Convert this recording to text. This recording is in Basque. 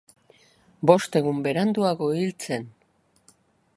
Bost egun beranduago hil zen.